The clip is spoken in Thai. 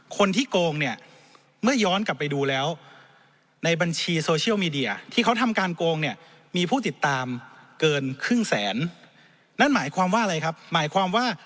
คนที่กล้องเนี่ยเมื่อย้อนกลับไปดูแล้ว